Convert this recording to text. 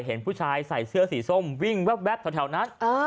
เห็นผู้ชายใส่เสื้อสีส้มวิ่งแว๊บแถวนั้น